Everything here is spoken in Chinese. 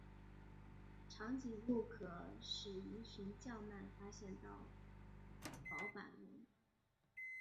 长颈部可使鱼群较慢发现到薄板龙。